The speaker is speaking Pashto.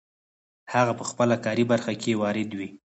هغه په خپله کاري برخه کې وارد وي.